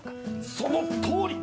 そのとおり！